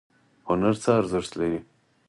هنر څه ارزښت لري؟